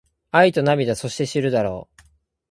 愛と涙そして知るだろう